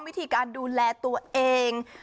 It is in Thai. วิธีการดูแลตัวเอง